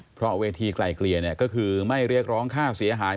เพราะเวทีไกลเกลี่ยเนี่ยก็คือไม่เรียกร้องค่าเสียหาย